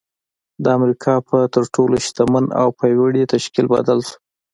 د امريکا پر تر ټولو شتمن او پياوړي تشکيل بدل شو.